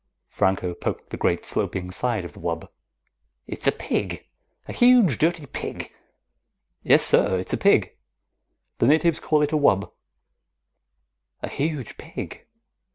Franco poked the great sloping side of the wub. "It's a pig! A huge dirty pig!" "Yes sir, it's a pig. The natives call it a wub." "A huge pig.